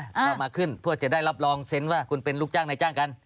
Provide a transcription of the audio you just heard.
เรามาขึ้นเพื่อจะได้รับรองเซ็นต์ว่าคุณเป็นลูกจ้างในจ้างกัน